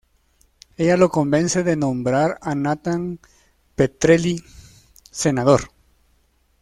Ella lo convence de nombrar a Nathan Petrelli senador.